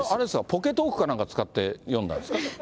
ポケトークかなんか使って読んだんですか？